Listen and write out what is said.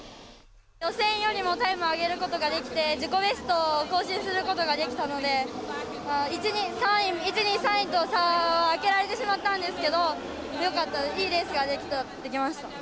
予選よりもタイムを上げることができて自己ベストを更新することができたので１２３位と差は開けられてしまったんですけどいいレースができました。